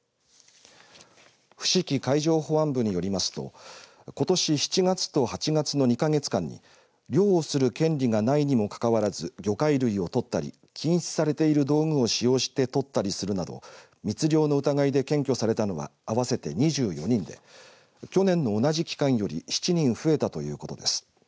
伏木海上保安部によりますとことし７月と８月の２か月間に漁をする権利がないにもかかわらず魚介類をとったり禁止されている道具を使用してとったりするなど密漁の疑いで検挙されたのは合わせて２４人で去年の同じ期間より７人増えたということです。